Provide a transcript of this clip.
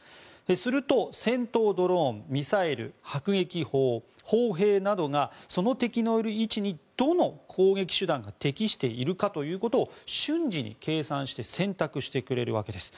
すると、戦闘ドローンミサイル、迫撃砲、砲兵などがその敵のいる位置にどの攻撃手段が適しているかということを瞬時に計算して選択してくれるわけです。